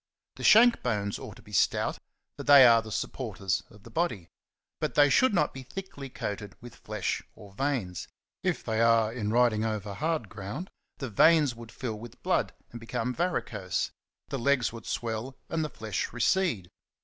The shank bones ought to be stout, for they are the supporters of the body; but they should not be thickly coated with flesh or veins : if they are, in riding over hard ground the veins would fill with blood and become varicose, the legs would swell, and the flesh recede.